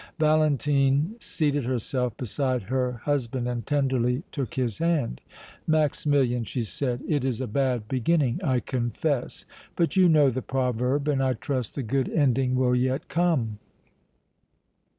Valentine seated herself beside her husband and tenderly took his hand. "Maximilian," she said, "it is a bad beginning, I confess, but you know the proverb and, I trust, the good ending will yet come!"